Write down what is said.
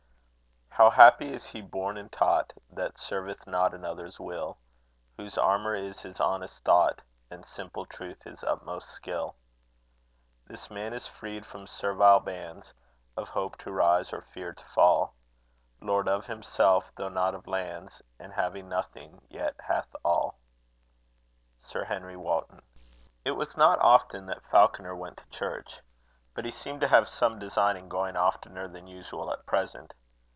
How happy is he born and taught, That serveth not another's will; Whose armour is his honest thought, And simple truth his utmost skill. This man is freed from servile bands Of hope to rise or fear to fall: Lord of himself, though not of lands, And, having nothing, yet hath all. SIR HENRY WOTTON. It was not often that Falconer went to church; but he seemed to have some design in going oftener than usual at present.